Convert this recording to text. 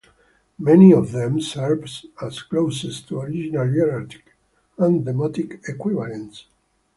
Many of them served as glosses to original hieratic and demotic equivalents.